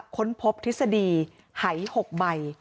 ค้นพบทฤษฎีหาย๖ใบ